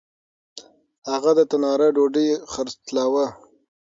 هغه د تنار ډوډۍ خرڅلاوه. .